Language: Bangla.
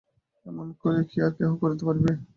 এমন করিয়া কি আর কেহ করিতে পারিবে।